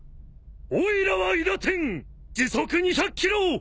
おいらは韋駄天時速２００キロ。